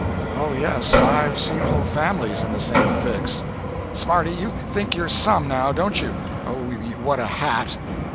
"Oh yes—I've seen whole families in the same fix." "Smarty! You think you're some, now, don't you? Oh, what a hat!"